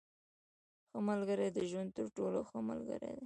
• ښه ملګری د ژوند تر ټولو ښه ملګری دی.